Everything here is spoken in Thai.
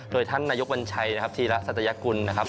โดยท่านนายกวัญชัยนะครับธีระสัตยกุลนะครับ